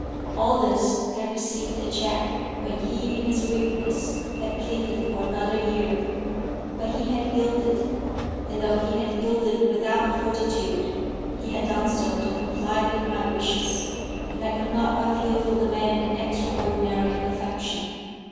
All this had received a check when he in his weakness had pleaded for another year. But he had yielded; and though he had yielded without fortitude, he had done so to comply with my wishes, and I could not but feel for the man an extraordinary affection.